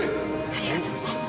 ありがとうございます。